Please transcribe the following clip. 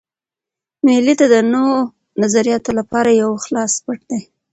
مېلې د نوو نظریاتو له پاره یو خلاص مټ دئ.